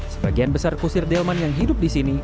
sebagian besar kusir delman yang hidup di sini